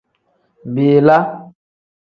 Bila.